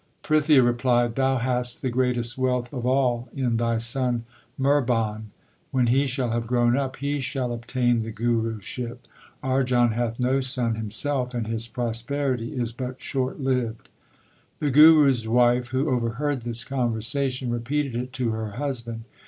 Prithia replied : Thou hast the greatest wealth of all in thy son Mihrban. When he shall have grown up, he shall obtain the Guruship. Arjan hath no son himself, and his prosperity is but short lived. The Guru s wife, who overheard this conversation, repeated it to her husband.